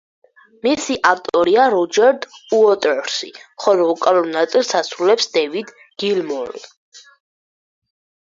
მისი ავტორია როჯერ უოტერსი, ხოლო ვოკალურ ნაწილს ასრულებს დევიდ გილმორი.